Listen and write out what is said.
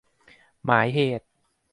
หมายเหตุ